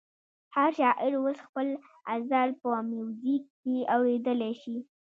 هر شاعر اوس خپل غزل په میوزیک کې اورېدلی شي.